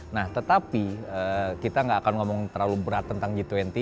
nah tetapi kita nggak akan ngomong terlalu berat tentang g dua puluh